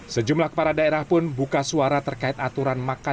sejumlah kepala daerah pun buka suara terkait aturan makan